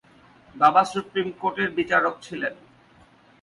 বাবা সুপ্রিম কোর্টের বিচারক ছিলেন।